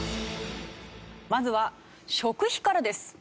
まずは食費からです。